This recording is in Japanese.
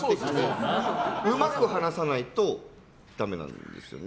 うまく話さないとダメなんですよね